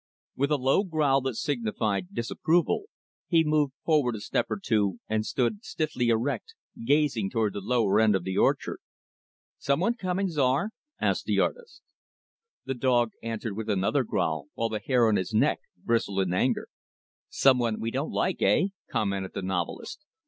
With a low growl that signified disapproval, he moved forward a step or two and stood stiffly erect, gazing toward the lower end of the orchard. "Some one coming, Czar?" asked the artist. The dog answered with another growl, while the hair on his neck bristled in anger. "Some one we don't like, heh!" commented the novelist.